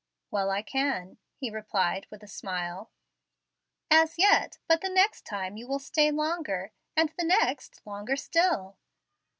"Well, I can," he replied with a smile. "As yet, but the next time you will stay longer, and the next longer still."